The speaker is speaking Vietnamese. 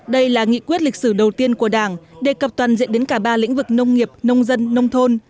đây là nghị quyết lịch sử đầu tiên của đảng đề cập toàn diện đến cả ba lĩnh vực nông nghiệp nông dân nông thôn